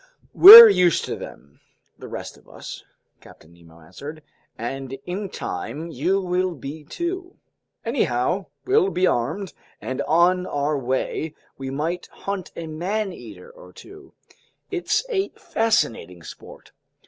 "We're used to them, the rest of us," Captain Nemo answered. "And in time you will be too. Anyhow, we'll be armed, and on our way we might hunt a man eater or two. It's a fascinating sport.